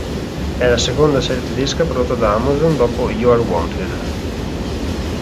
È la seconda serie tedesca prodotta da Amazon dopo "You Are Wanted".